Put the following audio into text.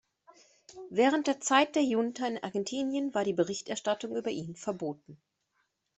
Während der Zeit der Junta in Argentinien war die Berichterstattung über ihn verboten.